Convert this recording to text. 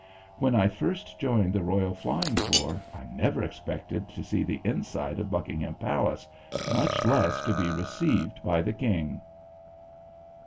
When I first joined the Royal Flying Corps I never expected to see the inside of Buckingham Palace, much less to be received by the King.